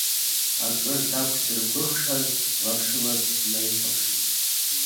Акыр дақәзыргәыӷшаз лаԥшыла днаихәаԥшит.